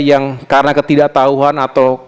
yang karena ketidaktahuan atau